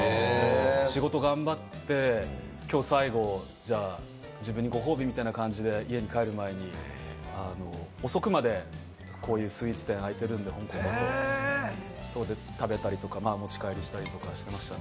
仕事頑張って、きょう最後、じゃあ自分にご褒美みたいな感じで家に帰る前に遅くまでこういうスイーツ店、開いてるんで、そこで食べたりとかしてましたね。